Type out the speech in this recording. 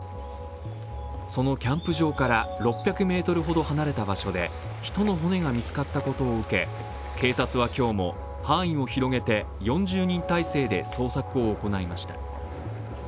そのキャンプ場から６００ｍほど離れた場所で人の骨が見つかったことを受け警察は今日も範囲を広げて、４０人態勢で捜索を行いました。